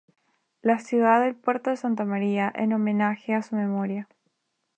La ciudad del Puerto de Santa María en homenaje a su memoria.